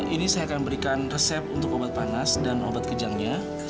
ini saya akan berikan resep untuk obat panas dan obat kejangnya